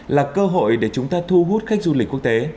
là cơ hội để chúng ta thu hút khách du lịch quốc tế